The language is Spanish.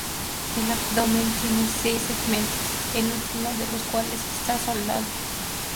El abdomen tiene seis segmentos, el último de los cuales está soldado.